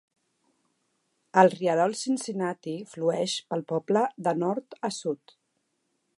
El rierol Cincinnati flueix pel poble de nord a sud.